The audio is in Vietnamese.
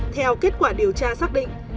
theo kết quả điều tra xác định